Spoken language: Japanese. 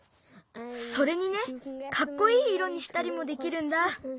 それにねかっこいいいろにしたりもできるんだ。